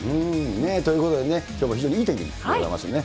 ということでね、きょうも非常にいい天気でございますね。